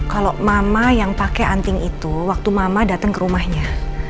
kalau mama yang pakai anting itu waktu mama datang ke rumahnya